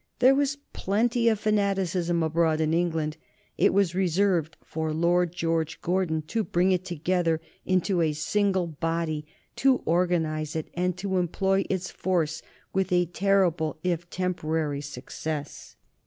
There was plenty of fanaticism abroad in England; it was reserved for Lord George Gordon to bring it together into a single body, to organize it, and to employ its force with a terrible if temporary success.